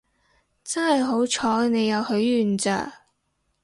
真係好彩你有許願咋